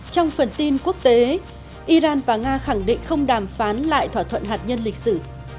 trong phần tin quốc tế iran và nga khẳng định không đàm phán lại thỏa thuận hạt nhân lịch sử